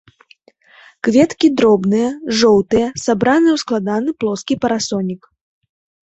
Кветкі дробныя, жоўтыя, сабраныя ў складаны плоскі парасонік.